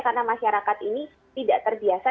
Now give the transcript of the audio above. karena masyarakat ini tidak terbiasa